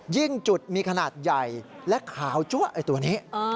จุดมีขนาดใหญ่และขาวจั๊วตัวนี้